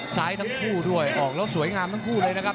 ซ้ายทั้งคู่ด้วยออกแล้วสวยงามทั้งคู่เลยนะครับ